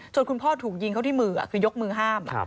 คุณพ่อถูกยิงเข้าที่มือคือยกมือห้าม